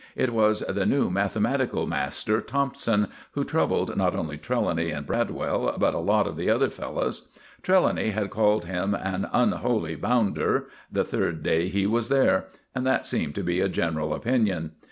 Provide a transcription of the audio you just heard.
It was the new mathematical master, Thompson, who troubled not only Trelawny and Bradwell but a lot of the other fellows. Trelawny had called him an "unholy bounder" the third day he was there, and that seemed to be a general opinion.